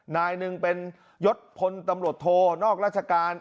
นายหนึ่งเป็นยศพลตำรวจโทนอกราชการ